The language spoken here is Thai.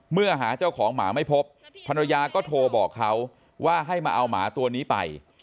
หาเจ้าของหมาไม่พบภรรยาก็โทรบอกเขาว่าให้มาเอาหมาตัวนี้ไป